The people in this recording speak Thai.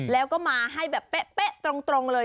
แล้วก็มาให้แบบเป๊ะตรงเลย